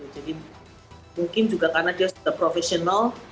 jadi mungkin juga karena dia sudah profesional